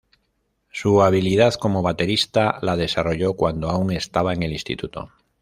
Su habilidad como baterista la desarrolló cuando aún estaba en el instituto.